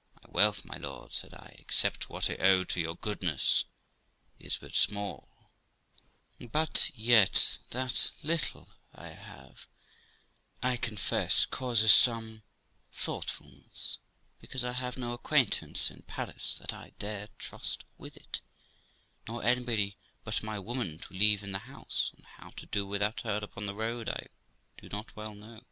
' My wealth, my lord ', said I, ' except what I owe to your goodness is but small, but yet that little I have, I confess, causes some thoughtfulness, because I have no acquaintance in Paris that I dare trust with it, nor anybody but my woman to leave in the house; and how to do without her upon the road I do not well know.'